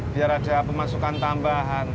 biar ada pemasukan tambahan